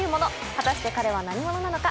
果たして彼は何者なのか？